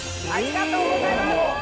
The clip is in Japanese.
ありがとうございます！